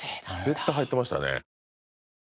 絶対入ってましたね。